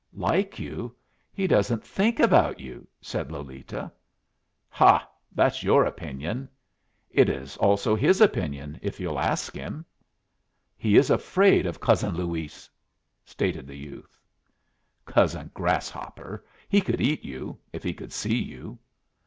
"Like you! He doesn't think about you," said Lolita. "Ha! That's your opinion?" "It is also his opinion if you'll ask him." "He is afraid of Cousin Luis," stated the youth. "Cousin grasshopper! He could eat you if he could see you."